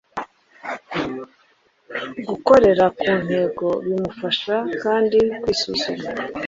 gukorera ku ntego. Bimufasha kandi kwisuzuma